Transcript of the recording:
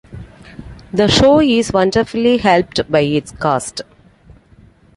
The show is wonderfully helped by its cast.